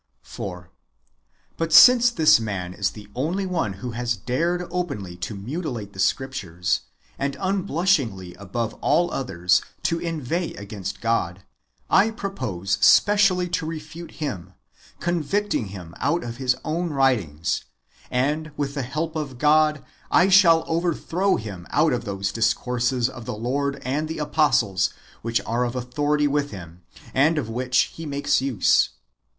» 4. But since this man is the only one who has dared openly to mutilate the Scriptures, and unblushingly above all others to inveigh against God, I purpose specially to refute him, convicting him out of his own wa itings ; and, with the help of God, I shall overthrow him out of those '^ discourses of the Lord and the apostles, which are of authority with him, and of which he makes use.